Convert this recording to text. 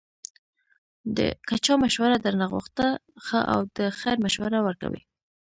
که چا مشوره درنه غوښته، ښه او د خیر مشوره ورکوئ